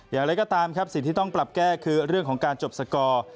อย่างไรก็ตามครับสิ่งที่ต้องปรับแก้คือเรื่องของการจบสกอร์